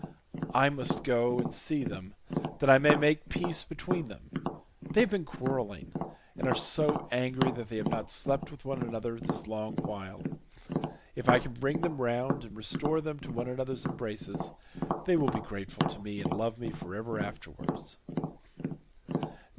I must go and see them that I may make peace between them; they have been quarrelling, and are so angry that they have not slept with one another this long while; if I can bring them round and restore them to one another's embraces, they will be grateful to me and love me for ever afterwards."